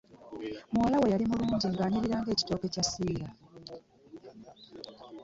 Muwalawe yali mulunji nga anyirira nga ekitooke kya ssiiira .